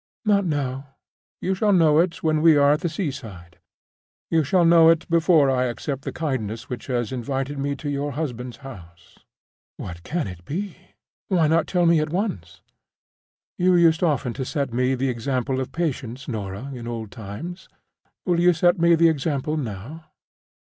"Not now. You shall know it when we are at the seaside; you shall know it before I accept the kindness which has invited me to your husband's house." "What can it be? Why not tell me at once?" "You used often to set me the example of patience, Norah, in old times; will you set me the example now?"